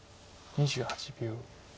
２８秒。